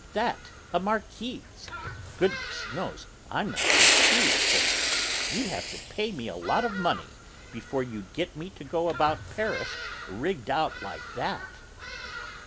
That a marquise! Goodness knows I'm not a marquise, but you'd have to pay me a lot of money before you'd get me to go about Paris rigged out like that!"